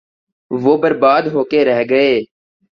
وہ برباد ہو کے رہ گئے۔